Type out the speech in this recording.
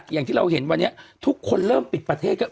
อย่างที่เราเห็นวันนี้ทุกคนเริ่มปิดประเทศก็